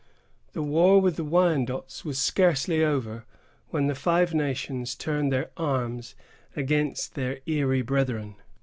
The war with the Wyandots was scarcely over, when the Five Nations turned their arms against their Erie brethren.